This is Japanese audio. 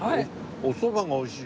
おそばが美味しい。